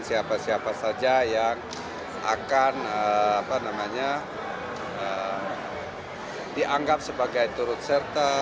siapa siapa saja yang akan dianggap sebagai turut serta